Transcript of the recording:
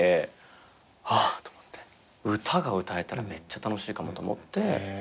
歌が歌えたらめっちゃ楽しいかもと思って。